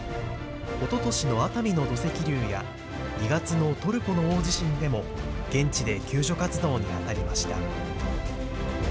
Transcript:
おととしの熱海の土石流や２月のトルコの大地震でも現地で救助活動にあたりました。